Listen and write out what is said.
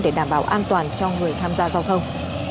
để đảm bảo an toàn cho người tham gia giao thông